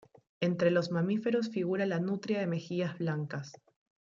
Entre los mamíferos figura la nutria de mejillas blancas.